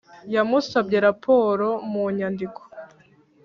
Yamusabye raporo mu nyandiko